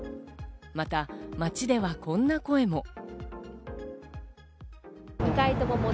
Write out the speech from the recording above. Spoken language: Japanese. また、街ではこんな声も。